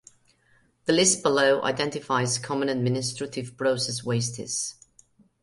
The list below identifies common administrative process wastes.